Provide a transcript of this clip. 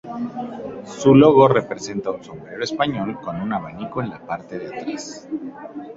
Su logo representa un sombrero español, con un abanico en la parte de atrás.